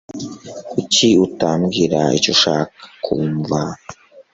Kuki utambwira icyo ushaka kumva